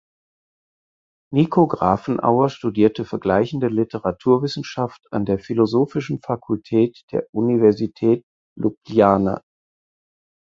Niko Grafenauer studierte Vergleichende Literaturwissenschaft an der Philosophischen Fakultät der Universität Ljubljana.